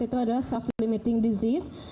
itu adalah self limiting disease